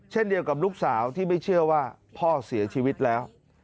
เช่นเดียวกับลูกสาวที่ไม่เชื่อว่าพ่อเสียชีวิตแล้ว